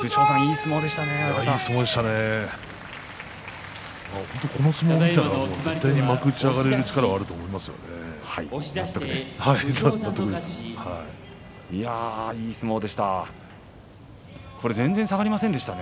いい相撲でした。